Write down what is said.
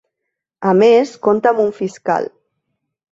A més, compta amb un fiscal.